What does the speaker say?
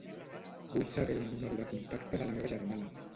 Vull saber el número de contacte de la meva germana.